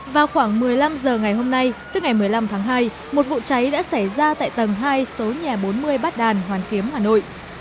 vào khoảng một mươi năm h ngày hôm nay tức ngày một mươi năm tháng hai một vụ cháy đã xảy ra tại tầng hai số nhà bốn mươi bát đàn hoàn kiếm hà nội